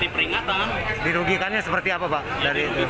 peringatan dirugikan seperti apa pak dari